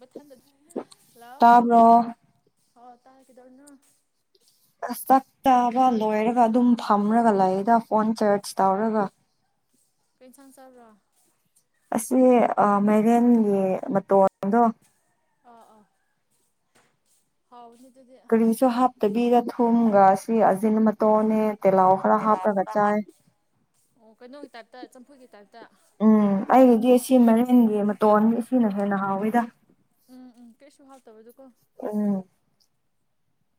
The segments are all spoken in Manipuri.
ꯃꯊꯟꯗ ꯂꯥꯎꯑꯣ ꯇꯥꯕ꯭ꯔꯣ ꯍ ꯇꯥꯈꯤꯗꯧꯅꯨ [unintelligible] ꯑ ꯆꯥꯛꯇꯥꯕ ꯂꯣꯏꯔꯒ ꯑꯗꯨꯝ ꯐꯝꯔꯒ ꯂꯥꯛꯗ ꯐꯣꯟ ꯆꯥꯔꯖ ꯇꯧꯔꯒ ꯀꯩꯅ ꯁꯪ ꯆꯕ꯭ꯔꯣ ꯑꯁꯤ ꯃꯥꯏꯔꯦꯟꯒꯤ ꯃꯇꯣꯟꯗꯣ ꯑꯥ ꯑꯥ ꯍꯥꯎ ꯀꯔꯤꯁꯨ ꯍꯥꯞꯇꯕꯤꯔ ꯊꯨꯝꯒ ꯁꯤ ꯑꯖꯤꯟ ꯃꯇꯣꯟꯅꯦ ꯇꯤꯜꯍꯥꯎ ꯈꯔ ꯍꯥꯞꯄꯒ ꯆꯥꯏ ꯑꯣ ꯀꯩꯅꯣꯒꯤ ꯇꯥꯏꯞꯇ ꯆꯝꯊ [unintelligible] ꯎꯝ ꯑꯩꯒꯤꯗꯤ ꯁꯤ ꯃꯔꯤꯟꯒꯤ ꯃꯇꯣꯟꯒꯤ ꯑꯁꯤꯅ ꯍꯦꯟꯅ ꯍꯥꯎꯋꯤꯗ ꯀꯩꯁꯨ ꯍꯥꯎꯇꯕꯗꯨ ꯎꯝ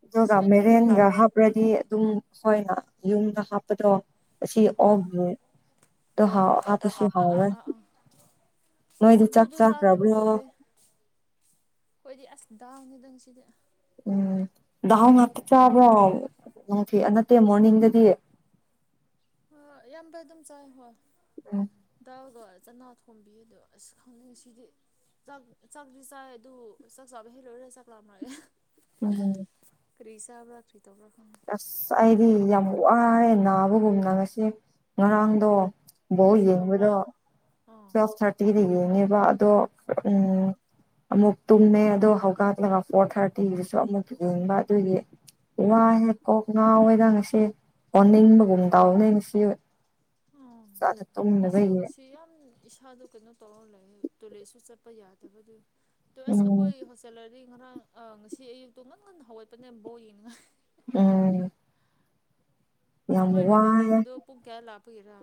ꯑꯗꯨꯒ ꯉꯁꯤꯗꯤ ꯑꯗꯨꯝ ꯃꯦꯔꯦꯟꯒ ꯂꯩꯒꯦꯔꯥ ꯍꯥꯞꯔꯗꯤ ꯑꯗꯨꯝ ꯑꯩꯈꯣꯏꯅ ꯌꯨꯝꯗ ꯍꯥꯞꯄꯗꯣ ꯑꯁꯤ ꯍꯣꯏ [unintelligible] ꯍꯥꯞꯄꯁꯨ ꯑꯥ ꯑꯥ ꯍꯥꯎꯔꫭꯏ ꯑꯥ ꯑꯥ ꯅꯣꯏꯗꯤ ꯑꯁ ꯆꯥꯛ ꯆꯥꯈ꯭ꯔꯕ꯭ꯔꯣ ꯈꫭꯏꯗꯤ ꯑꯁ ꯗꯥꯜꯅꯤꯗ ꯉꯁꯤꯗꯤ ꯎꯝ ꯗꯥꯜ ꯉꯥꯠꯇ ꯆꯕ꯭ꯔꫭ ꯅꯨꯡꯊꯤ ꯅꯠꯇꯦ ꯃꯣꫪꯅꯤꯡꯗꯗꯤ ꯑ ꯑꯌꯥꯝꯕ ꯑꯗꯨꯝ ꯆꯥꯏ ꯍꯣꯏ ꯎꯝ [unintelligible] ꯆꯅꯥ ꯊꯣꯝꯕꯤ ꯑꯗꯣ ꯑꯁ ꯈꯪꯗꯦ ꯉꯁꯤꯗꯤ ꯆꯥꯛ ꯆꯥꯛꯇꯤ ꯆꯥꯏ ꯑꯗꯨ ꯆꯥꯛ ꯆꯥꯕ ꯍꯦꯛ ꯂꯣꯏꯔ ꯆꯥꯛ ꯂꯥꯝꯔꯛꯑꯦ ꯎꯝ ꯀꯔꯤ ꯆꯥꯕ꯭ꯔ ꯀꯔꯤ ꯇꯧꯕ꯭ꯔ ꯑꯁ ꯑꯩꯗꯤ ꯌꯥꯝ ꯋꯥꯌꯦ ꯅꯥꯕꯒꯨꯝꯅ ꯉꯁꯤ ꯉꯔꯥꯡꯗꯣ ꯕꫭꯜ ꯅꯣꯏꯁꯨ ꯇꯧꯕ꯭ꯔꯥ ꯌꯦꯡꯕꯗꯣ ꯑꯥ ꯇꯨꯋꯦꯜꯐ ꯊꯥꫪꯇꯤꯗ ꯌꯦꯡꯉꯦꯕ ꯑꯗꯣ ꯑꯥ ꯎꯝ ꯑꯃꯨꯛ ꯇꯨꯝꯃꯦ ꯑꯗꯣ ꯍꯧꯒꯠꯂꯒ ꯐꯣꫪ ꯊꯥꫪꯇꯤꯗꯨꯁꯨ ꯑꯃꯨꯛ ꯌꯦꯡꯕ ꯑꯗꯨꯒꯤ ꯑꯥ ꯑꯥ ꯋꯥꯍꯦ ꯀꯣꯛ ꯉꯥꯎꯋꯦꯗ ꯉꯁꯤ ꯑꯣꯅꯤꯡꯕꯒꯨꯝ ꯇꯥꯎꯅꯦ ꯉꯁꯤ ꯑꯥ ꯐꯖꯅ ꯑꯩꯁꯨ ꯇꯨꯝꯗꯕꯒꯤ ꯉꯁꯤ ꯌꯥꯝ ꯏꯁꯥꯗꯣ ꯀꯩꯅꯣ ꯇꯧꯔ ꯂꯩ ꯇꯣꯏꯂꯦꯠꯁꯨ ꯆꯠꯄ ꯌꯥꯗꯕꯗꯨ ꯇ ꯑꯁ ꯎꯝ ꯑꯩꯈꯣꯏ ꯍꯣꯁꯇꯦꯂꫪꯗꯤ ꯉꯔꯥꯡ ꯑ ꯉꯁꯤ ꯑꯌꯨꯛꯇꯨ ꯉꯟ ꯉꯟꯅ ꯍꯋꯥꯠꯄꯅꯦ ꯕꫭꯜ ꯌꯦꯡꯅꯤꯉꯥꯏ ꯎꯝ ꯌꯥꯝ ꯋꯥꯏꯌꯦ ꯃꯣꯏꯔꫭꯅꯦꯜꯗꯣꯒꯤꯗꫭ ꯄꯨꯨꯡ ꯀꯌꯥ ꯂꯥꯛꯄꯒꯤꯔ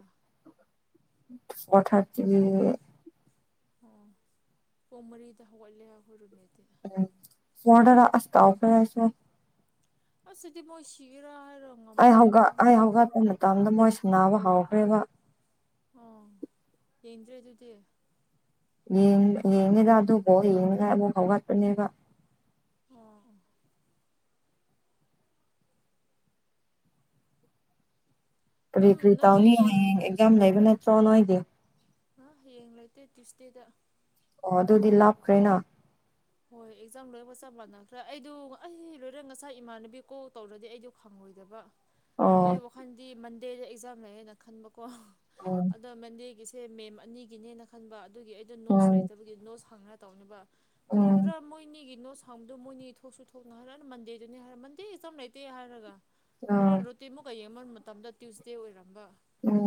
ꯋꯥꯟꯊꯥꫪꯇꯤ ꯑꯣ ꯄꯨꯡ ꯃꯔꯤꯗ ꯍꯧꯒꯠꯂꯦ ꯑꯍꫭꯏꯔꯨꯝꯃꯦꯠ [unintelligible] ꯑꯁ ꯁꯤꯗꯤ ꯃꫭꯏꯁꯤꯒꯤꯔ ꯍꯥꯏ ꯑꯩ ꯍꯧꯒ ꯍꯧꯒꯠꯄ ꯃꯇꯝꯗ ꯃꯣꯏ ꯁꯝꯅꯕ ꯍꯧꯈ꯭ꯔꯦꯕ ꯑꯣ ꯌꯦꯡꯗ꯭ꯔꯦ ꯑꯗꯨꯗꯤ ꯌꯦꯡ ꯌꯦꯉꯦꯗ ꯑꯗꯨ ꯕꫭꯜ ꯌꯦꯡꯅꯤꯡꯉꯥꯏ ꯑꯃꯨꯛ ꯍꯧꯒꯠꯄꯅꯦꯕ ꯑꯣ ꯀꯔꯤ ꯑꯗꯨꯝ ꯀꯔꯤ ꯅꯣꯏꯗꯣ ꯇꯧꯅꯤ ꯌꯦꯡ ꯍꯌꯦꯡ ꯑꯦꯛꯖꯥꯝ ꯂꯩꯕ ꯅꯠꯇ꯭ꯔꯣ ꯅꫭꯏꯒꯤ ꯑ ꯍꯌꯦꯡ ꯂꯩꯇꯦ ꯇꯨꯏꯁꯗꯦꯗ ꯑꯣ ꯑꯗꯨꯗꯤ ꯂꯥꯞꯈ꯭ꯔꯦꯅ ꯍꯣꯏ ꯑꯦꯛꯖꯥꯝ ꯂꯣꯏꯕꯒ ꯆꯞ ꯃꯥꯟꯅꯈ꯭ꯔꯦ ꯑꯩꯗꯎ ꯑꯩ ꯂꯣꯏꯔ ꯉꯁꯥꯏ ꯏꯃꯥꯟꯅꯕꯤ ꯀꯣꯜ ꯇꯧꯔꯗꯤ ꯑꯩꯗꯨ ꯈꯪꯉꯣꯏ ꯑꯣꯏꯗꯕ ꯑꯣ ꯑꯩ ꯋꯥꯈꯜꯗꯤ ꯃꯟꯗꯦꯗ ꯑꯦꯛꯖꯥꯝ ꯂꯩꯌꯦꯅ ꯈꯟꯕꯀꯣ ꯎꯝ ꯑꯗꯣ ꯃꯟꯗꯦꯒꯤꯁ ꯁꯦ ꯃꯦꯝ ꯑꯅꯤꯒꯤꯅꯦꯅ ꯈꯟꯕ ꯑꯗꯨꯒꯤ ꯑꯩꯗꫭ ꯅꯣꯠꯁ ꯎꯝ ꯂꯩꯇꯕꯒꯤ ꯅꯣꯠꯁ ꯍꯪꯅ ꯇꯧꯅꯦꯕ ꯎꯝ ꯀꯔꯤꯒꯤꯔ ꯃꯣꯏꯅꯤꯒꯤ ꯅꯣꯠꯁ ꯍꯪꯕꯗꯨ ꯃꯣꯏꯅꯤ ꯊꯣꯛꯁꯨ ꯊꯣꯛꯅ ꯍꯥꯏꯔ ꯍꯟ ꯃꯟꯗꯦꯗꯅꯤ ꯍꯥꯏꯔ ꯃꯟꯗꯦ ꯑꯦꯛꯖꯥꯝ ꯂꯩꯇꯦ ꯍꯥꯏꯔꯒ ꯑꯥ ꯍꯣꯔꯦꯟ ꯔꯣꯇꯤꯃꯨꯛꯀ ꯌꯦꯡꯕ ꯃꯇꯝꯗ ꯇ꯭ꯌꯨꯏꯁꯗꯦ ꯑꯣꯏꯔꯝ ꯎꯝ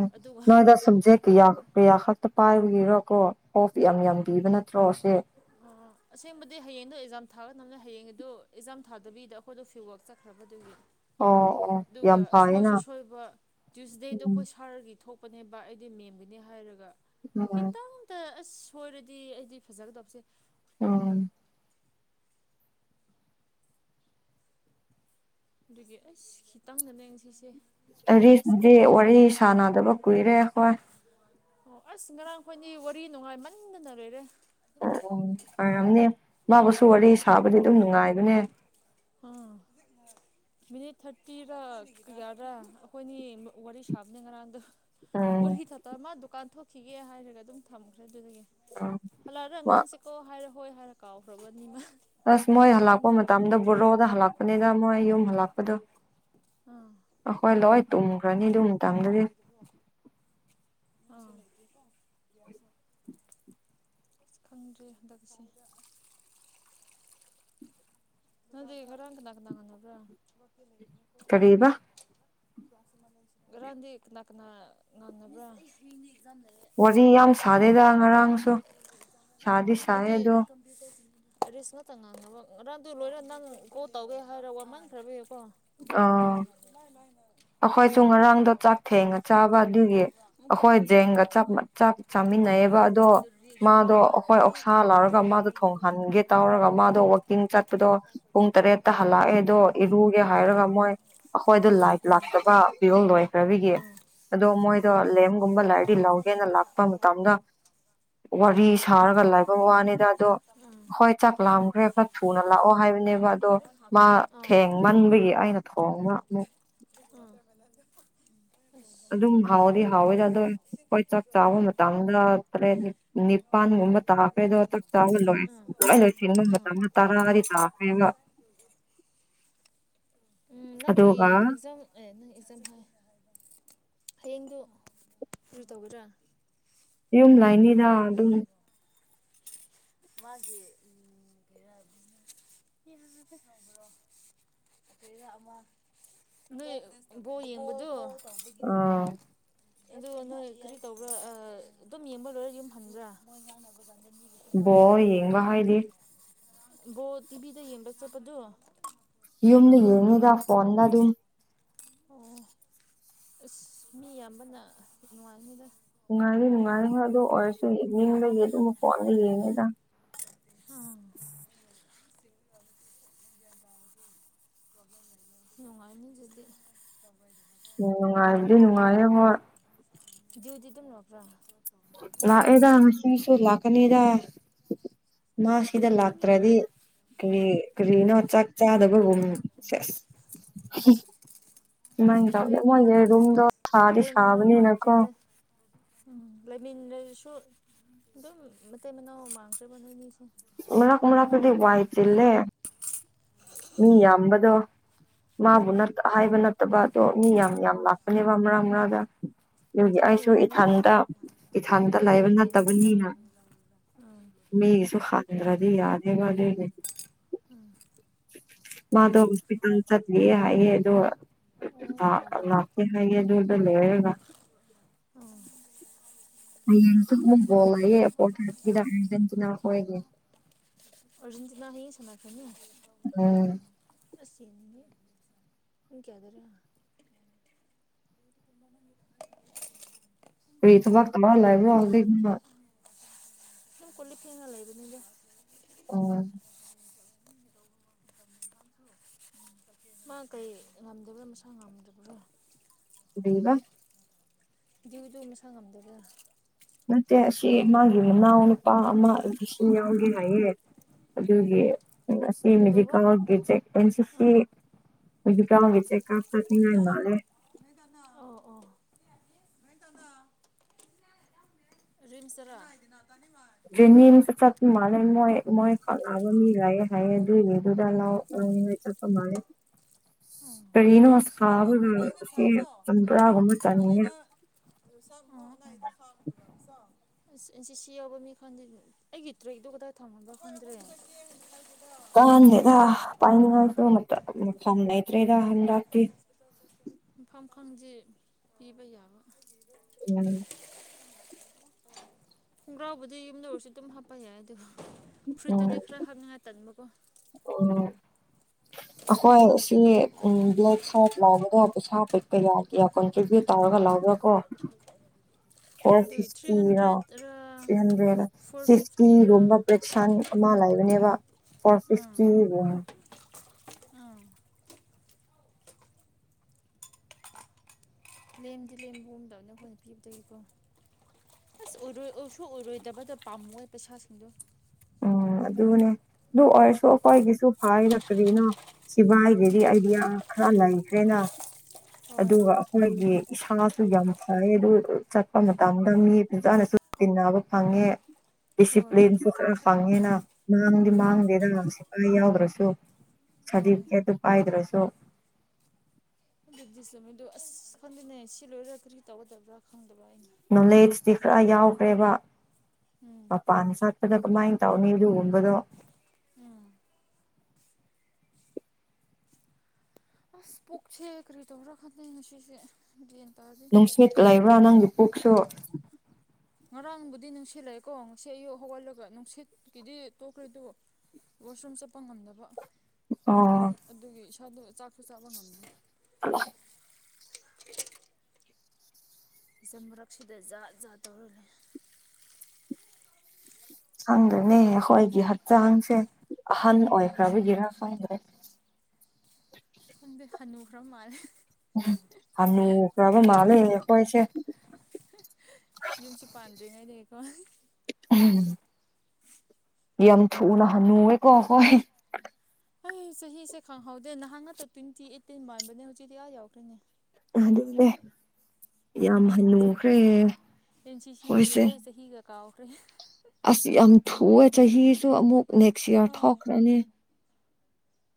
ꯅꯣꯏꯗ ꯁꯕꯖꯦꯛ ꯀꯌꯥ ꯀꯌꯥ ꯈꯛꯇ ꯄꯥꯏ ꯔꯤꯔꯣ ꯀꯣ ꯑꯣꯐ ꯌꯥꯝ ꯌꯥꯝ ꯄꯤꯕ ꯅꯠꯇ꯭ꯔꯣ ꯁꯦ ꯑꯣ ꯑꯁꯦꯡꯕꯗꯤ ꯍꯌꯦꯡꯗꯣ ꯑꯦꯛꯖꯥꯝ ꯊꯥꯒꯗꯕꯅꯦ ꯍꯌꯦꯡ ꯑꯗꯨ ꯑꯦꯛꯖꯥꯝ ꯊꯥꯗꯕꯤꯗꯣ ꯑꯩꯈꯣꯏꯗꯣ ꯐꯤꯜꯋꯥꯛ ꯆꯠꯈ꯭ꯔꯕꯗꯨꯒꯤ ꯑꯣ ꯑꯣ ꯌꯥꯝ ꯑꯗꯨꯒ ꯐꯩꯌꯦꯅ ꯁꯣꯏꯁꯨ ꯁꯣꯏꯕ ꯇ꯭ꯌꯨꯏꯁꯗꯦꯗ ꯎꯝ ꯑꯩꯈꯣꯏ ꯁꯥꫪꯒꯤ ꯊꯣꯛꯄ ꯄꯅꯦꯕ ꯑꯩꯗꯤ ꯃꯦꯝꯒꯅꯤ ꯍꯥꯏꯔꯒ ꯎꯝ ꯈꯤꯇꯪꯗ ꯑꯁ ꯁꯣꯏꯔꯗꯤ ꯑꯩꯗꯤ ꯐꯖꯒꯗꯕꯁꯦ ꯎꯝ ꯑꯗꯨꯒꯤ ꯑꯩꯁ ꯈꯤꯇꯪꯗꯅꯦ ꯉꯁꯤꯁꯦ ꯑꯗꯨꯒꯤ ꯑꯁ ꯑꯔꯤꯁꯗꯤ ꯀꯣꯜ ꯇꯧ ꯋꯥꯔꯤ ꯁꯥꯟꯅꯗꯕ ꯀꯨꯏꯔꯦ ꯑꯩꯈꯣꯏ ꯑꯣ ꯑꯁ ꯉꯔꯥꯡꯈꯣꯏꯗꯤ ꯋꯥꯔꯤ ꯅꯨꯡꯉꯥꯏꯃꯟꯗꯅ ꯂꯣꯏꯔꯦ ꯑꯣ ꯑꯣ ꯐꯔꯝꯅꯤ ꯃꯥꯕꯨꯁꯨ ꯋꯥꯔꯤ ꯁꯥꯕꯗꯤ ꯑꯗꯨꯝ ꯅꯨꯡꯉꯥꯏꯕꯅꯦ ꯎꯝ ꯃꯤꯅꯤꯠ ꯊꯥꯔꯇꯤꯔ ꯌꯥꯗ꯭ꯔꯥ ꯑꯩꯈꯣꯏꯅꯤ ꯋꯥꯔꯤ ꯁꯥꯕꯅꯦ ꯉꯔꯥꯡꯗ ꯎꯝ ꯋꯥꯔꯤꯍꯤ ꯊꯇ ꯃꯥ ꯗꯨꯀꯥꯟ ꯊꯣꯛꯈꯤꯒꯦ ꯍꯥꯏꯔꯒ ꯑꯗꯨꯝ ꯊꯝꯈ꯭ꯔꯦ ꯑꯗꯨꯗꯒꯤ ꯍꯜꯂꯛꯑꯔꯦ ꯑꯉꯥꯡꯁꯤꯦꯀꯣ ꯍꯥꯏꯔ ꯍꯣꯏ ꯍꯥꯏꯔ ꯀꯥꯎꯈ꯭ꯔꯕꯅꯤꯃ ꯑꯁ ꯃꯣꯏ ꯍꯜꯂꯛꯄ ꯋꯥꯃꯟꯗ ꯃꯇꯝꯗ ꯇꯨꯝꯈ꯭ꯔꯕ ꯕꯣꯔꯣꯗ ꯍꯜꯂꯛꯄꯅꯤꯅ ꯃꯣꯏ ꯌꯨꯝ ꯍꯜꯂꯛꯄꯗꯣ ꯑꯥ ꯑꯈꯣꯏ ꯂꯣꯏ ꯇꯨ ꯃꯛ ꯔꯥꯅꯤꯗꯨ ꯃ ꯇꯪꯗꯗꯤꯦ ꯑꯥ- ꯈꯪꯗ꯭ꯔꯦ ꯍꯟꯗꯛꯁꯦ ꯀꯗ ꯈꯔꯪꯒꯗ ꯀꯅꯥ ꯀꯗ ꯄ ꯀꯔꯤꯕ ꯀꯅꯥ ꯀꯅꯥ ꯉꯅꯕ꯭ꯔꯥ ꯋꯥꯔꯤ ꯌꯥꯝ ꯁꯥꯗꯦꯗ ꯉꯔꯥꯡꯁꯨ ꯁꯥꯗꯤ ꯁꯌꯦ ꯑꯗꯣ ꯑꯔꯤꯁ ꯉꯇ ꯉꯥꯡꯗꯕ ꯔꯟꯗꯨ ꯂꯣꯏꯔ ꯅꯪ ꯀꯣꯜ ꯇꯧꯒꯦ ꯍꯥꯏꯔꯒ ꯋꯥ ꯃꯥꯡꯈ꯭ꯔꯕ ꯀꯣ ꯑ ꯑꯩꯈꯣꯏꯁꯨ ꯉꯔꯥꯡꯗꯣ ꯆꯥꯛ ꯊꯦꯡꯉ ꯆꯥꯕ ꯑꯗꯨꯒꯤ ꯑꯃꯨꯛꯀ ꯔꯤ ꯑꯩꯈꯣꯏ ꯑꯦꯛꯖꯥꯝ ꯖꯦꯡꯒ ꯇꯧꯕ ꯆ ꯃꯥꯜꯂꯦ ꯆ ꯆꯥꯃꯤꯩ ꯏꯟꯅꯩꯌꯦꯕ ꯅꯍꯥꯟ ꯑꯗꯣ ꯈꯣꯏꯒꯤꯗꯣ ꯔꯤ ꯑꯦꯛꯖꯥꯝ ꯃꯥꯗꯣ ꯑꯩꯈꯣꯏ ꯔꯤ ꯑꯣꯛꯁꯥ ꯂ ꯑꯄꯤꯌꯔ ꯂꯧꯔꯒ ꯃꯥꯗꯣ ꯇꯧꯅꯤꯡꯉꯥꯏꯒꯤ ꯃꯣꯏꯒꯤ ꯊꯣꯡꯍꯟꯒꯦ ꯊꯣꯛꯑꯦꯕ ꯇꯧꯔꯒ ꯃꯥꯗꯣ ꯋꯥꯛꯀꯤꯡ ꯆꯠ ꯗꯣ ꯄꯨꯡ ꯇꯔꯦꯠꯇ ꯍꯜꯂꯛꯑꯦ ꯑꯗꯣ ꯏꯔꯨꯒꯦ ꯍꯥꯏꯔꯒ ꯃꯣꯏ ꯑꯩꯈꯣꯏꯗꯣ ꯂ ꯂꯥꯛꯇꯕ ꯄꯤꯔꯣꯜ ꯂꯣꯏꯈ꯭ꯔꯕꯤꯒꯤ ꯑꯗꯣ ꯃꯣꯏꯗꯣ ꯂꯦꯝꯒꯨꯝꯕ ꯂꯥꯏꯔꯤ ꯑꯗꯨꯗꯣ ꯉꯁꯥꯏ ꯂꯧꯒꯦꯅ ꯂꯥꯛꯄ ꯌꯥꯎꯕ ꯃꯇꯝꯗ [inaudible] [inaudible] ꯋꯥꯔꯤ ꯁꯥꯔꯒ ꯑꯥ ꯂꯥꯏꯕ ꯃꯤ ꯋꯥꯅꯤꯗ ꯑꯗꯣ ꯍꯣꯏ ꯆꯥꯛ ꯂꯥꯝꯈ꯭ꯔꯦ ꯈꯔ ꯊꯨꯅ ꯂꯥꯛꯑꯣ ꯉꯥ ꯍꯥꯏꯕꯅꯦꯕ ꯑꯗꯣ ꯑꯅꯤꯔꯛ ꯃꯥ ꯊꯥꯈ꯭ꯔꯕꯅꯦ ꯑꯥ ꯊꯦꯡꯃꯟꯕꯒꯤ ꯑꯩꯅ ꯊꯣꯡꯕ ꯑꯃꯨꯛ ꯑꯥ ꯑꯗꯨꯝ ꯍꯥꯎꯗꯤ ꯍꯥꯎꯋꯦꯗ ꯑꯗ ꯍꯋꯥꯣꯏ ꯆꯥꯛ ꯆꯥꯕ ꯎꯝ ꯃꯇꯝꯗ ꯇꯔꯦ ꯃꯄꯥꯟꯒꯨꯝꯕ ꯇꯥꯈꯦꯗꯣꯥꯛ ꯆꯥꯕ ꯂꯣꯏ ꯎꯝ ꯂꯣꯏ ꯂꯣꯏ ꯁꯤꯟꯕ ꯎꯝ ꯃꯇꯝꯗ ꯇꯔꯥꯔꯤ ꯇꯥꯈꯦꯒ ꯎꯝ ꯅꯪꯒꯤ ꯑꯗꯨꯒ ꯑꯦꯛꯖꯝ ꯑꯦꯪ ꯐꯖꯅ ꯍꯥꯏ ꯍꯌꯦꯡꯗꯨ ꯀꯨ ꯇꯧꯒꯗ꯭ꯔꯥ ꯌꯨꯝ ꯂꯥꯏꯅꯤꯗ ꯑꯗꯨꯝ ꯃꯥꯒꯤ ꯎꯔꯣ ꯅꯣꯏ ꯕꯣ ꯌꯦꯡꯕꯗꯣ ꯑ ꯇꯗꯒꯤꯗꯣ ꯑ ꯅꯣꯏ ꯀꯔꯤ ꯇꯧꯕ꯭ꯔꯥ ꯑꯗꯨꯝ ꯌꯦꯡꯕ ꯂꯣꯏꯔ ꯌꯨꯝ ꯍꯟꯕ꯭ꯔꯥ ꯕꯣꯜ ꯌꯦꯡꯕ ꯍꯥꯏꯗꯤ ꯕꯣ ꯇꯤꯚꯤꯗ ꯍꯤꯡꯔꯕ ꯆꯆꯇꯞꯗꯨ ꯌꯨꯝꯅ ꯌꯦꯡꯅꯤꯗ ꯐꯣꯟꯗ ꯑꯗꯨꯝ ꯑꯣ ꯑꯁ ꯃꯤꯌꯥꯝꯕꯅ ꯅꯨꯡꯉꯥꯏꯅꯤꯗ ꯅꯨꯡꯉꯥꯏꯔꯤ ꯅꯨꯡꯉꯥꯏꯔꯤ ꯑꯗꯨꯗ ꯑꯣꯏꯔꯁꯨ ꯏꯅꯤꯡꯕꯒꯤ ꯑꯗꯨ ꯐꯣꯟꯗ ꯌꯦꯡꯉꯦꯗ ꯑꯥ ꯅꯨꯡꯉꯥꯏꯅꯤ ꯌꯗꯤ ꯎꯅꯨꯡꯉꯥꯏꯗꯤ ꯅꯨꯡꯉꯥꯏ ꯍ ꯗꯨꯗꯝ ꯂꯄ꯭ꯔꯥ ꯂꯥꯛꯑꯦꯗ ꯍꯥꯁꯨ ꯍꯥꯁꯨ ꯂꯥꯛꯀꯅꯤꯗ ꯃꯥ ꯁꯤꯗ ꯅꯣꯏꯅꯤ ꯂꯥꯛꯇ꯭ꯔꯗꯤ ꯀꯔꯤ ꯀꯔꯤꯅꯣ ꯆꯥꯛ ꯆꯥꯗꯕ ꯁꯦꯁ ꯅꯪ ꯇꯧꯗ ꯃꯣꯏꯒꯤ ꯅꯣꯏꯅꯤꯗꯤ ꯔꯨꯝꯗꯣ ꯁꯥꯗꯤ ꯃꯇꯩ ꯃꯅꯥꯎ ꯁꯥꯕꯅꯤꯅꯀꯣ ꯃꯥꯟꯈ꯭ꯔꯦꯗ ꯎꯝ ꯂꯩꯃꯤꯟꯅꯔꯁꯨ ꯑꯗꯨꯝ ꯃꯇꯩ ꯃꯅꯥꯎ ꯃꯥꯡꯈ꯭ꯔꯕ ꯅꯣꯏ ꯃꯤꯁꯦ ꯏ ꯀꯂ ꯐꯗꯤ ꯋꯥꯏꯇꯂꯦ ꯃꯤ ꯌꯥꯝꯕꯗꯣ ꯍꯣꯏ ꯃꯥꯕꯨ ꯑꯥ ꯍꯥꯏꯕ ꯅꯠꯇꯕ ꯑꯗꯣ ꯃꯤ ꯌꯥꯝ ꯌꯥꯝ ꯑꯥ ꯂꯥꯛꯄꯅꯦꯕ ꯃꯔꯥ ꯃꯔꯥꯗ ꯑꯗꯨꯒꯤ ꯍꯥꯏꯕꯗꯤ ꯃꯤ ꯑꯩꯁꯨ ꯑꯣꯏꯕꯅꯤꯅ ꯏꯊꯥꯟꯗ ꯏꯊꯥꯟꯗ ꯏꯊꯟꯇ ꯂꯩꯕ ꯂꯩꯅꯤꯡꯕ ꯃꯇꯝ ꯅꯠꯇꯕꯅꯤꯅ ꯂꯩ ꯎꯝ ꯃꯤꯁꯨ ꯈꯥꯟꯗ꯭ꯔꯗꯤ ꯌꯥꯗꯦꯕ ꯑꯗꯨꯏꯅ‌ꯦ ꯎꯝ [unintelligible] ꯃꯥꯗ ꯍꯣꯁꯄꯤꯇꯥꯜ ꯆꯠꯂꯤꯌ‌ꯦ ꯍꯥꯏꯌ‌ꯦ ꯑꯗꫭ ꯑꯣ ꯂ ꯅꯥꯕ꯭ꯔꯥ ꯂꯥꯛꯀ ꯍꯥꯏꯗꯨꯗ ꯂꯩꯔꯒ ꯑꯣ [unintelligible] ꯍꯌꯦꯡꯁꯨ ꯑꯃꯨꯛꯕꯣꯜꯂꯌꯦ ꯀꯋꯥꯊꯔꯒꯤꯗ ꯑꯥꯔꯖꯦꯟꯇꯤꯅꯥ ꯈꯣꯏꯒꯦ ꯑꯔꯖꯟꯁꯤꯅ ꯍꯌꯤꯡ ꯁꯅꯥ ꯀꯅꯤ ꯎꯝ ꯑꯁꯤ ꯌ‌ꯦꯡꯅꯤꯡꯉ‌ꯦ ꯄꯨꯡ ꯀꯌꯥꯗꯔꯥ [inaudible] ꯄꯔꯤꯠꯚꯒ ꯃꯥꯟꯂꯕ ꯔꯣꯍꯜꯗ ꯈꯨ [unintelligible] ꯑꯁꯨꯝ ꯀꯣꯜꯂꯤꯛ ꯐ‌ꯦꯡꯉꯥ ꯂꯩꯕꯅꯤꯗ ꯑꯣ [unintelligible] ꯃꯥ ꯀꯩ ꯉꯝꯗꯕ꯭ꯔꯥ ꯃꯁꯥ ꯉꯝꯗꯕ꯭ꯔꯥ ꯀꯩꯗꯩꯕ ꯗꯤꯌꯗꯨ ꯃꯁꯥ ꯉꯝꯗꯕꯔꯥ ꯅꯠꯇꯦ ꯑꯁꯤ ꯃꯥꯒꯤ ꯃꯅꯥꯎ ꯅꯨꯄꯥ ꯑꯃ ꯏꯁꯤꯡ ꯌꯥꯎꯒꯦ ꯍꯥꯏꯌꯦ ꯑꯗꯨꯒꯤ ꯑꯁꯤ ꯃꯤꯖꯤ ꯀꯩꯗꯧꯕ ꯀꯀꯤꯁ ꯑꯥ [unintelligible] ꯑꯩꯏꯇ ꯊꯦꯡꯀ꯭ꯌꯨ ꯆꯦ ꯀꯥꯞ ꯆꯇꯅꯤꯡꯉꯃꯜꯦ [unintelligible] ꯔꯔꯤꯝꯁꯇꯔꯥ ꯖ‌ꯦꯅꯤꯁꯇ ꯆꯠꯞ ꯃꯜꯂ‌ꯦ ꯃꯣꯏ ꯃꯣꯏ ꯈꯪꯅꯕ ꯃꯤ ꯂꯩꯌꯦ ꯍꯥꯏꯌ‌ꯦ ꯑꯗꯨ ꯑꯗꯨꯗ ꯂꯧ ꯆꯠꯄ ꯃꯥꯜꯂ‌ꯦ ꯀꯔꯤꯅꫭ ꯁꯥꯕꯁꯤ ꯆꯝꯕ꯭ꯔꯥꯒꯨꯝꯕ ꯆꯅꯤꯉ‌ꯦ ꯁ ꯃꯅ ꯑꯩꯗ ꯐꯝ [unintelligible] ꯑꯁ ꯏꯟꯁꯤ ꯁꯤ ꯌꯥꯎꯕ ꯃꯤ ꯈꯪꯗꯦ ꯑꯩꯒꯤ ꯇ꯭ꯔꯦꯛꯇꯣ ꯀꯗꯥꯏ ꯊꯝꯕꯅꫭ ꯈꯪꯗ꯭ꯔꯦ ꯑꯦꯒ ꯐꯥꯏꯅꯤ ꯉꯁꯨ ꯃ ꯁꯅꯇ꯭ꯔꯦ ꯏ ꯍꯟꯥꯛꯇ [unintelligible] ꯃꯐꯝꯐꯝ ꯈꯪꯁꯤꯦ ꯄꯤꯕ ꯌꯥꯕ [unintelligible] ꯎꯝ ꯈꯣꯡꯒ꯭ꯔꯥꯎꯕꯨꯗꯤ ꯌꯨꯝꯗ ꯑꫭꯏꯁꯨ ꯑꯗꯨꯝ ꯍꯥꯞꯄ ꯌꯥꯏ ꯑꯗꯨ ꯐꯨꯔꯤꯠꯇꯨꯗꯤ ꯈꯔ ꯍꯥꯞꯅꯤꯡꯉꯥꯏ ꯇꯟꯕꯀꯣ ꯑꯣ [unintelligible] ꯑꯩꯈꯣꯏ ꯁꯤ ꯎ ꯕ꯭ꯂꯦꯛ ꯁꯥꯏꯠ ꯂꯥꯎꯕꯗ ꯄꯩꯁꯥ ꯄꯤꯛ ꯀꯌꯥ ꯀꯌꯥ ꯀꯟꯇ꯭ꯔꯤꯕ꯭ꯌꯨꯠ ꯇ ꯇꯧꯔꯒ ꯂ [unintelligible] ꯇꯤꯔ ꯐꯣꯔ ꯐꯤꯐꯇꯤꯔ ꯍꯟꯗ꯭ꯔꯦꯇꯤ ꯄ꯭ꯔꯦꯁ [unintelligible] ꯂꯩꯕꯅꯦꯕ ꯐꫭꯔ ꯑꯥ ꯐꯤꯞꯇꯤ ꯒꯨꯝ ꯑꯥ ꯂꯦꯝꯗꯤ ꯂꯦꯝꯍꯟꯗꯧꯅ‌ꯦ ꯑꯩꯈꫭꯏꯅ ꯄꯤꯕꯗꯗꯒꯤꯀꯣ ꯑꯁ ꯑꯣꯏꯔꯣꯏ ꯑꯣꯏꯁꯨ ꯑꯣꯏꯔꯣꯏꯗꯕꯗ ꯄꯥꯝꯃꯨꯏ ꯄꯩꯁꯥꯁꯤꯡꯗꯣ ꯎꯝ ꯑꯗꯨꯅꯦ ꯑꯗꯨ ꯑꯣꯏꯔꯁꯨ ꯑꯩꯈꯣꯏꯒꯤꯁꯨ ꯐꯥꯏꯗ ꯀꯔꯤꯅꫭ ꯁꯤꯚꯥꯏꯒꯤꯗꯤ ꯑꯩꯗꯤ ꯌꯥꯝ ꯈꯔ ꯂꯩꯈ꯭ꯔꯦꯅ ꯍꯣꯏ ꯑꯗꯨꯒ ꯑꯩꯈꯣꯏꯒꯤ ꯏꯁꯥꯁꯨ ꯌꯥꯝ ꯐꯥꯏ ꯑꯗꯨ ꯆꯠꯄ ꯃꯇꯝꯗ ꯃꯤ ꯐꯖꯥꯅꯁꯨ ꯇꯤꯟꯅꯕ ꯐꯪꯉꯦ ꯍꯣꯏ ꯗꯤꯁꯤꯄ꯭ꯂꯤꯟꯁꯨ ꯈꯔ ꯐꯪꯉꯦꯅ ꯃꯥꯡꯗꯤ ꯃꯥꯡꯗꯦꯗ ꯁꯤꯐꯥꯏ ꯌꯥꯎꯗ꯭ꯔꯁꯨ ꯍꯣꯏ ꯁꯥꯔꯇꯤꯐꯤꯀꯦꯠꯇꯨ ꯄꯥꯏꯗ꯭ꯔꯁꯨ ꯑꯗꯨꯗꯤ ꯆꯨꯝꯃꯤꯗꯨ ꯑꯁ ꯈꯪꯗꯦꯅꯦ ꯁꯤ ꯂꯣꯏꯔ ꯀꯔꯤ ꯇꯧꯒꯗꯕ꯭ꯔꯥ ꯈꯪꯗꯕꯥ ꯑꯩ ꯅꯣꯂꯦꯖꯇꯤ ꯈꯔ ꯌꯥꯎꯈ꯭ꯔꯦꯕ ꯎꯝ ꯃꯄꯥꯟ ꯆꯠꯄꯗ ꯀꯃꯥꯏꯟ ꯇꯧꯅꯤ ꯑꯗꯨꯒꯨꯝꯕꯗꫭ ꯎꯝ ꯑꯁ ꯄꯣꯛꯆꯦ ꯀꯔꯤ ꯇꯧꯕꯔꯥ ꯈꯪꯗ‌ꯦ ꯉꯁꯤꯁ‌ꯦ ꯅꯨꯡꯁꯤꯠ ꯂꯩꯕ꯭ꯔꯥ ꯅꯪꯒꯤ ꯄꯨꯛꯁꯨ ꯉꯔꯥꯡꯕꯨꯗꯤ ꯅꯨꯡꯁꯤꯠꯂꯩꯀꯣ ꯉꯁꯤ ꯑꯌꯨꯛ ꯍꯧꯒꯠꯂꯒ ꯅꯨꯡꯁꯤꯠꯀꯤꯗꯤ ꯇꯣꯛꯈ꯭ꯔꯦ ꯑꯗꯨ ꯋꯥꯁꯔꯨꯝ ꯆꯠꯄ ꯉꯝꯗꯕ ꯑꯣ ꯆ ꯆꯥꯛꯁꯨ ꯆꯥꯕ ꯉꯝꯅꯤ ꯍꯂꯣ ꯏꯆꯝ ꯃꯔꯛꯁꯤꯗ ꯖꯥꯠ ꯖꯥꯠ ꯇꯧꯔꯂꯦ ꯈꯪꯗꯦꯅꯦ ꯈꯣꯏꯒꯤ ꯍꯪꯆꯥꯡꯁꯦ ꯑꯍꯟ ꯑꯣꯏꯈ꯭ꯔꯥꯕ ꯒꯤꯔ ꯈꯪꯗꯔꯦ ꯍꯗ ꯍꯅꯨ ꯈ꯭ꯔ ꯃꯥꯜꯂꯦ ꯍꯅꯨꯈꯔꯕ ꯃꯟꯂꯦ ꯑꯩꯈꯣꯢꯁꯦ ꯌꯨꯝꯁꯨ ꯄꯥꯟꯗ꯭ꯔꯤꯉꯩꯗ ꯎꯝ ꯌꯥꯝ ꯊꯨꯅ ꯍꯟꯅꯨꯋꯦꯀꯣ ꯍꯣꯏ ꯑꯩ ꯆꯍꯤꯁꯦ ꯈꯪꯍꯧꯗꯦ ꯅꯍꯥꯟ ꯉꯥꯛꯇ ꯇ꯭ꯋꯦꯟꯇꯤ ꯑꯩꯠꯇꯤꯟ ꯃꯥꯟꯕꯅꯦ ꯍꯧꯖꯤꯛꯇꯤ ꯑꯥ ꯌꯥꯎꯈ꯭ꯔꯦꯅꯦ ꯑꯗꯨꯅꯦ ꯌꯥꯝ ꯍꯟꯅꯨꯈ꯭ꯔꯦ ꯏꯟꯁꯤꯁꯤꯗꯒꯤ ꯑꯩꯈꯣꯏꯁꯦ ꯂꯣꯏ ꯆꯍꯤꯒ ꯀꯥꯎꯈ꯭ꯔꯦ ꯑꯁ ꯌꯥꯝ ꯊꯨꯑꯦ ꯆꯍꯤꯁꯨ ꯑꯃꯨꯛ ꯅꯦꯛꯁ ꯏꯌꯥꯔ ꯊꯣꯛꯈ꯭ꯔꯅꯤ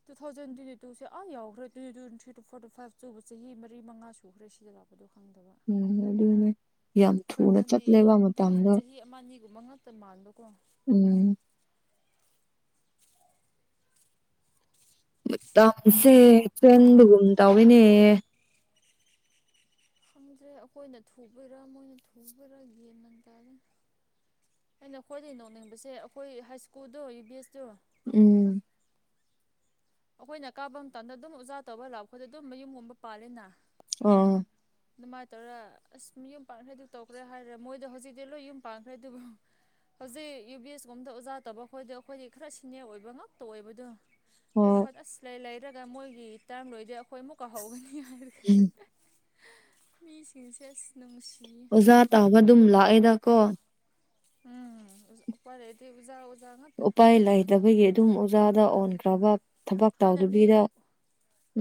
ꯇꯨꯊꯥꯎꯖꯟ ꯇꯣꯢꯟꯇꯤꯇꯨ ꯁꯦ ꯑ ꯌꯧꯈꯔꯗꯤ ꯇꯨ ꯊꯔꯤ ꯐꯣꯔ ꯐꯥꯢ꯭ꯕ ꯆꯍꯤ ꯃꯉꯥ ꯁꯨꯈꯔꯦ ꯁꯤꯗ ꯂꯥꯛꯄꯗꯣ ꯈꯪꯗꯕ ꯎꯝ ꯑꯗꯨꯅꯦ ꯌꯥꯝ ꯑꯩꯈꯣꯏ ꯊꯨꯅ ꯆꯠꯂꯦꯕ ꯃꯇꯝꯗꯣ ꯃꯉꯛꯇ ꯃꯥꯟꯕꯀꯣ ꯎꯝ ꯃꯇꯝꯁꯦ ꯆꯦꯟꯕꯒꯨꯝ ꯇꯧꯏꯅꯦ ꯈꯪꯗ꯭ꯔꯦ ꯑꯩꯈꯣꯏꯅ ꯊꯨꯕꯔꯥ ꯃꯣꯏꯅ ꯊꯨꯕꯔꯥ ꯒꯤꯌꯥꯟ ꯃꯦꯟ ꯇꯗꯦ ꯑ ꯅꯈꯣꯏꯗꯒꯤ ꯅꯣꯛꯅꯤꯡꯕꯁꯦ ꯑꯩꯈꯣꯏ ꯍꯥꯏ ꯁ꯭ꯀꯨꯜꯗꯣ ꯌꯨ ꯕꯤ ꯑꯦꯁꯇꯣ ꯎꯝ ꯑꯩꯈꯣꯏꯅ ꯀꯥꯕ ꯃꯇꯝꯗ ꯑꯗꯨꯝ ꯑꯣꯖꯥ ꯇꯧꯕ ꯂꯥꯎꯄꯗ ꯑꯗꯨꯝ ꯃꯌꯨꯝꯒꯨꯝꯕ ꯄꯥꯜꯂꯦꯅ ꯑ ꯑꯗꯨꯃꯥꯏꯅ ꯇꯧꯔ ꯑꯁ ꯌꯨꯝ ꯄꯥꯟꯈ꯭ꯔꯦꯗꯨ ꯇꯧꯈ꯭ꯔꯦ ꯍꯥꯏꯔꯦ ꯃꯣꯏꯗꯣ ꯍꯧꯖꯤꯛꯇꯤ ꯂꯣꯏ ꯌꯨꯝ ꯄꯥꯟꯈ꯭ꯔꯦ ꯑꯗꯨꯕꯨ ꯍꯧꯖꯤꯛ ꯌꯨ ꯕꯤ ꯑꯦꯁꯒꯨꯝꯕꯗ ꯑꯣꯖꯥ ꯇꯥ ꯈꯣꯏꯗ ꯑꯩꯈꯣꯏꯗꯤ ꯈꯔ ꯁꯤꯅꯦꯔ ꯑꯣꯏꯕ ꯉꯥꯛꯇ ꯑꯣꯏꯕꯗꯣ ꯑꯩ ꯍꯣꯏ ꯋꯥꯈꯠ ꯑꯁ ꯂꯩ ꯂꯩꯔꯒ ꯃꯣꯏꯒꯤ ꯇꯔꯝ ꯂꯣꯏꯗꯤꯦ ꯑꯩꯈꯣꯏ ꯑꯃꯨꯛ ꯀꯥꯎ ꯍꯧꯒꯅꯤ ꯎꯝ ꯑꯩꯈ ꯃꯤꯁꯤꯡꯁꯦ ꯁꯤ ꯅꯅꯨꯡꯁꯤ ꯑꯣꯖꯥ ꯇꯥꯕ ꯑꯗꯨꯝ ꯂꯥꯛꯑꯦꯗꯀꯣ [unintelligible] ꯎꯄꯥꯏ ꯂꯩꯇꯕꯒꯤ ꯑꯗꯨꯝ ꯑꯣꯖꯥꯗ ꯑꯣꯟꯈ꯭ꯔꯕ ꯊꯕꯛ ꯍꯥꯟꯅꯗꯤ ꯇꯧꯗꯕꯤꯗ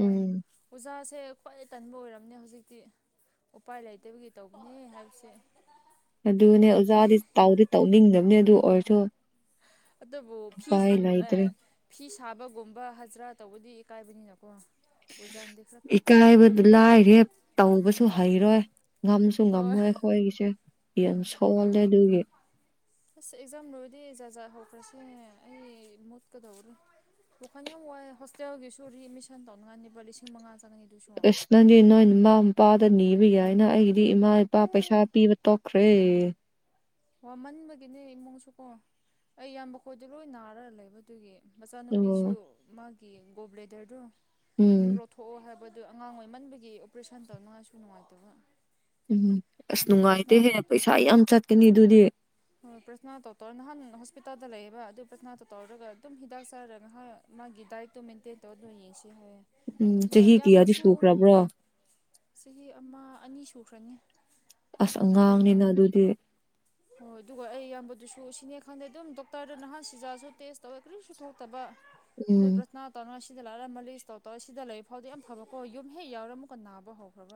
ꯎꯝ ꯁꯦ ꯈ꯭ꯋꯥꯏ ꯇꯟꯕ ꯑꯣꯏꯔꯝꯅꯦ ꯍꯧꯖꯤꯛꯇꯤ ꯎꯄꯥꯏ ꯂꯩꯇꯕꯒꯤ ꯇꯧꯒꯅꯤ ꯍꯥꯏꯕꯁꯦ ꯌꯦꯟ ꯑꯗꯨꯅꯦ ꯇꯥꯈ꯭ꯔꯦ ꯑꯣꯖꯥꯗꯤ ꯇꯥꯎꯗꯤ ꯇꯧꯅꯤꯡꯗꯕꯅꯦ ꯑꯗꯨ ꯑꯣꯏꯔꯁꯨ ꯑꯗꯨ ꯑꯗꯨꯕꯨ ꯎꯄꯥꯏ ꯐꯤꯁꯨ ꯑꯦ ꯂꯩꯇ꯭ꯔꯦ ꯐꯤꯁ ꯁꯥꯕꯒꯨꯝꯕ ꯍꯖꯔꯥ ꯇꯧꯕꯗꯤ ꯏꯀꯥꯏꯕꯅꯤꯅ ꯏꯀꯥꯏꯕꯗꯨ ꯂꯥꯏꯔꯦ ꯇꯧꯕꯁꯨ ꯍꯩꯔꯣꯏ ꯉꯝꯁꯨ ꯍꯣꯏ ꯉꯝꯃꯣꯏ ꯑꯩꯈꯣꯏꯒꯤꯁꯦ ꯌꯥꯝ ꯁꯣꯜꯂꯦ ꯑꯗꯨꯒꯤ ꯑꯦꯖꯝ ꯂꯣꯏꯗꯦ ꯍꯧꯈ꯭ꯔꯁꯦ ꯑꯩ ꯃꯨꯠꯀꯗꯧꯔꯤ ꯋꯈꯜ ꯌꯥꯝ ꯋꯥꯏꯦ ꯍꯣꯁꯇꯦꯜꯒꯤꯁꯨ ꯔꯤ ꯑꯦꯠꯃꯤꯁꯟ ꯇꯧꯅꯉꯥꯏ ꯂꯨꯄ ꯂꯤꯁꯤꯡ ꯃꯉꯥ ꯆꯪꯉꯅꯤ ꯑꯗꯨꯁꯨ ꯏꯁ ꯅꯪꯗꯤ ꯅꯣꯏ ꯢꯃꯥ ꯢꯄꯥꯗ ꯅꯤꯕ ꯌꯥꯢꯅ ꯑꯩ ꯏꯃꯥ ꯏꯄꯥ ꯑꯦ ꯄꯩꯁꯥ ꯄꯤꯕ ꯇꯣꯛꯈ꯭ꯔꯦ ꯋꯥꯃꯟꯕꯒꯤꯅꯦ ꯏꯃꯨꯡꯁꯨꯀꯣ ꯑꯩ ꯏꯌꯥꯝꯕ ꯈꯣꯏꯗꯣ ꯂꯣꯏ ꯅꯥꯔꯒ ꯂꯩꯕꯗꯨꯒꯤ ꯑꯣ ꯃꯆꯥꯅꯨꯄꯤꯁꯨ ꯃꯥꯒꯤ ꯒꯣꯕ꯭ꯂꯦꯗꯔꯗꯨ ꯎꯝ ꯑꯗꯨ ꯂꯧꯊꯣꯛꯑꯣ ꯍꯥꯏꯕ ꯑꯗꯨꯗꯣ ꯑꯉꯥꯡ ꯑꯣꯏꯃꯟꯕꯒꯤ ꯑꯣꯄꯔꯦꯁꯟ ꯇꯧꯅꯉꯥꯏꯁꯨ ꯅꯨꯡꯉꯥꯏꯇꯕ ꯎꯝ ꯑꯁ ꯑꯗꯨ ꯄ꯭ꯔꯊꯅꯥ ꯅꯨꯡꯉꯥꯏꯇꯦꯍꯦ ꯇꯧ ꯄꯩꯁꯥ ꯌꯥꯝ ꯆꯠꯀꯅꯤ ꯑꯗꯨꯗꯤ ꯍꯣꯏ ꯄ꯭ꯔꯊꯅꯥ ꯇꯣ ꯇꯧꯔ ꯅꯍꯥꯟ ꯍꯣꯁꯄꯤꯇꯥꯜꯗ ꯂꯩꯌꯦꯕ ꯑꯗꯨ ꯄ꯭ꯔꯊꯅꯥꯇꯣ ꯇꯧꯔꯒ ꯑꯗꯨꯝ ꯍꯤꯗꯥꯛ ꯆꯥꯔꯒ ꯅꯍꯥꯟ ꯃꯥꯒꯤ ꯗꯥꯏꯇꯣ ꯃꯦꯟꯇꯦꯟ ꯇꯧꯔ ꯇꯧꯔ ꯌꯦꯡꯁꯦ ꯍꯥꯏꯌꯦ ꯎꯝ ꯑꯗ ꯆꯍꯤ ꯀꯌꯥꯗꯤ ꯏꯌꯥꯝꯕꯁꯨ ꯁꯨꯈ꯭ꯔꯕ꯭ꯔꯣ ꯆꯍꯤ ꯑꯃ ꯑꯅꯤ ꯁꯨꯈ꯭ꯔꯅꯤ ꯑꯁ ꯑꯗꯨꯒ ꯑꯉꯥꯡꯅꯤꯅ ꯑꯗꯨꯗꯤ ꯍꯣꯏ ꯑꯗꯨꯒ ꯑꯩ ꯏꯌꯥꯝꯕꯗꯨꯁꯨ ꯁꯤꯅꯦ ꯈꯪꯗꯦ ꯑꯗꯨꯝ ꯗꯣꯛꯇꯔꯗ ꯅꯍꯥꯟ ꯁꯤꯖꯥꯁꯨ ꯇꯦꯁ ꯇꯧꯋꯦ ꯀꯔꯤꯝꯁꯨ ꯊꯣꯛꯇꯕ ꯎꯝ ꯄ꯭ꯔꯁꯅ ꯇꯅ ꯁꯤꯗ ꯂꯥꯛꯔꯝꯃꯜꯂꯤ ꯏꯁꯇꯧ ꯇꯧꯔ ꯁꯤꯗ ꯂꯩꯔꯤ ꯐꯥꯎꯗꯤ ꯌꯥꯝ ꯐꯕꯀꯣ ꯌꯨꯝ ꯍꯦꯛ ꯌꯥꯎꯔ ꯑꯃꯨꯛꯀ ꯅꯥꯕ ꯍꯧꯈ꯭ꯔꯕ